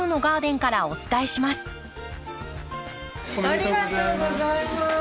ありがとうございます。